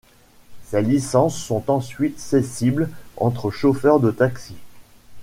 Ces licences sont ensuite cessibles entre chauffeurs de taxi.